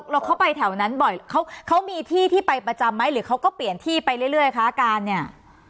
แล้วเขาไปแถวนั้นบ่อยเขามีที่ที่ไปประจำไหมหรือเขาก็เปลี่ยนที่ไปเรื่อยคะการเนี่ย